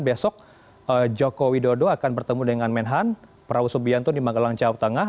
besok joko widodo akan bertemu dengan menhan prabowo subianto di magelang jawa tengah